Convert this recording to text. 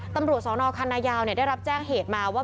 ตำรวจสนคันนายาวได้รับแจ้งเหตุมาว่า